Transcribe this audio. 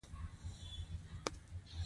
چې هغه وايي د ترکیې تابعیت لري.